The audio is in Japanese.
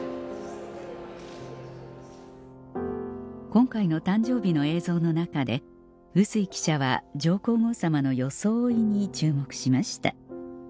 今回の誕生日の映像の中で笛吹記者は上皇后さまの装いに注目しました